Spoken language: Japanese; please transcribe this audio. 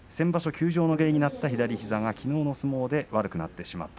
休場の原因になった左膝がきのうの相撲で悪くなってしまった。